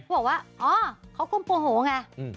บอกว่าอ๋อเขากลุ่มโปรโหง่ะ